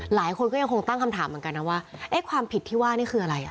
หลายคนก็ยังคงตั้งคำถามเหมือนกันนะว่าเอ๊ะความผิดที่ว่านี่คืออะไรอ่ะ